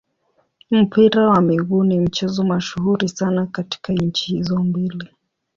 Mpira wa miguu ni mchezo mashuhuri sana katika nchi hizo mbili.